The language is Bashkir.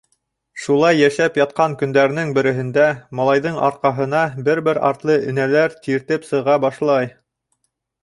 Шулай йәшәп ятҡан көндәренең береһендә, малайҙың арҡаһына бер-бер артлы энәләр тиртеп сыға башлай.